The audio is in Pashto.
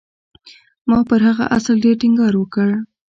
ما پر هغه اصل ډېر ټينګار وکړ.